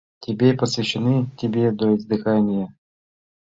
Тебе посвящены, тебе до издыхания!